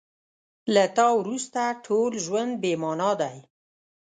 له تا وروسته ټول ژوند بې مانا دی.